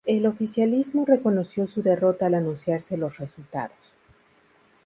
El oficialismo reconoció su derrota al anunciarse los resultados.